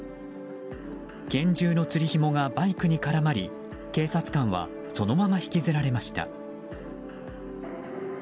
拳銃のつり紐がバイクに絡まり警察官はそのまま引きずられました。